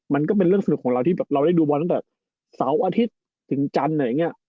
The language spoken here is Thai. มันก็เป็นเรื่องสนุกของเราที่แบบเราได้ดูบอลตั้งแต่เสาร์อาทิตย์ถึงจันทร์อะไรอย่างนี้